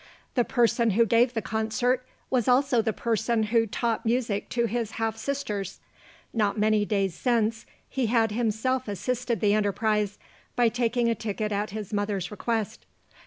The person who gave the concert was also the person who taught music to his half sisters. Not many days since, he had himself assisted the enterprise, by taking a ticket at his mother's request.